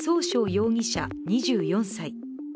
容疑者、２４歳。